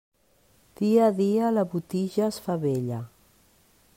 Dia a dia la botija es fa vella.